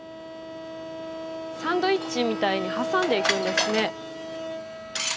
サンドイッチみたいに挟んでいくんですね。